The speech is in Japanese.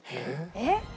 えっ？